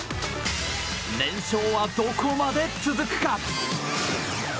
連勝はどこまで続くか？